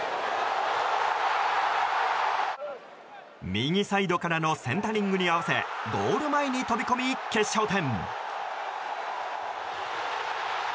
右サイドからのセンタリングに合わせゴール前に飛び込み決勝点！